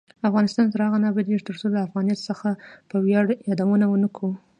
افغانستان تر هغو نه ابادیږي، ترڅو له افغانیت څخه په ویاړ یادونه نه کوو.